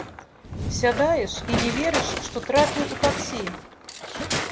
Сядаеш і не верыш, што трапіў у таксі!